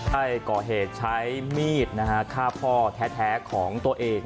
ให้ก่อเหตุใช้มีดฆ่าพ่อแท้ของตัวเอง